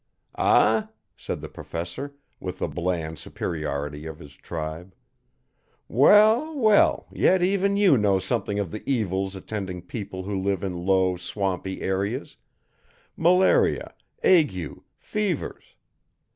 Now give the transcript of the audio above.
"Ah?" said the Professor, with the bland superiority of his tribe. "Well, well! Yet even you know something of the evils attending people who live in low, swampy areas; malaria, ague, fevers.